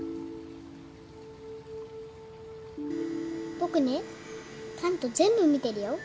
僕ね『カント』全部見てるよ。